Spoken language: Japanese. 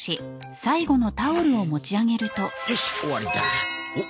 よし終わりだおっ？